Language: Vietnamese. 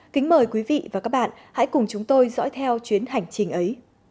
kính mời quý vị và các bạn hãy cùng chúng tôi dõi theo chuyến hành trình ấy